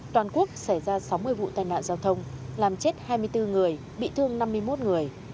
toàn quốc xảy ra sáu mươi vụ tai nạn giao thông làm chết hai mươi bốn người bị thương năm mươi một người